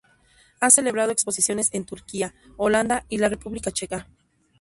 Ha celebrado exposiciones en Turquía, Holanda y la República Checa.